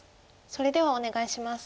それではお願いします。